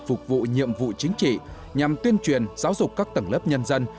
phục vụ nhiệm vụ chính trị nhằm tuyên truyền giáo dục các tầng lớp nhân dân